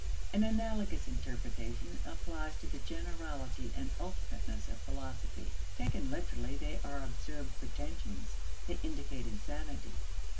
An analogous interpretation applies to the generality and ultimateness of philosophy. Taken literally, they are absurd pretensions; they indicate insanity.